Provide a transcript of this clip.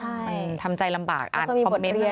มันทำใจลำบากอ่านคอมเมนต์อะไรแบบเนี้ย